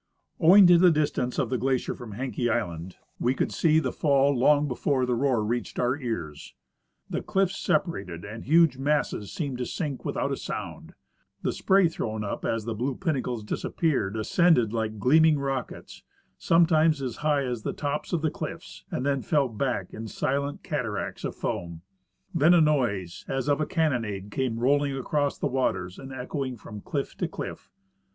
OAving to the distance of the glacier from Haenke island, Ave could The Formation of Icebergs. 99 see the fall long before the roar reached our ears ; the cliffs sepa rated, and huge masses seemed to sink without a sound ; the •spray thrown up as the blue pinnacles disappeared ascended like gleaming rockets, sometimes as high as the tops of the cliffs, and then fell back in silent cataracts of foam. Then a noise as of a cannonade came rolling across the waters and echoing from cliff to cliff.